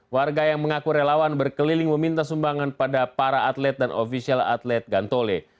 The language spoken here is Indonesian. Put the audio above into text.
warga yang mengaku relawan berkeliling meminta sumbangan pada para atlet dan ofisial atlet gantole